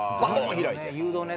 開いて。